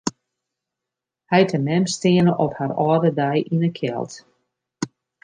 Heit en mem steane op har âlde dei yn 'e kjeld.